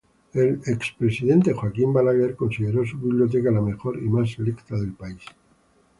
El expresidente Joaquin Balaguer, considero su biblioteca "la mejor y más selecta del país".